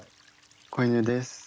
子犬です。